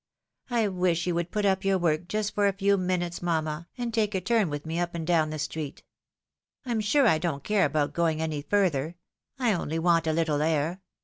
I wish you would put up your work just for a few minutes, mamma, and take a turn with me up and down the street. I'm sure I don't care about going any further ; I only want a little air.